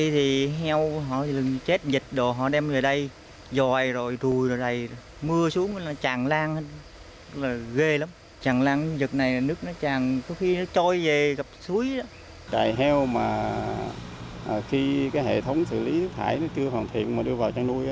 khi hệ thống xử lý nước thải chưa hoàn thiện mà đưa vào chăn nuôi